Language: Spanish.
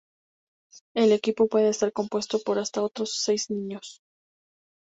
El equipo puede estar compuesto por hasta otros seis niños.